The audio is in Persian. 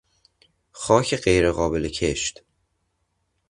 خاک غیرقابل کشت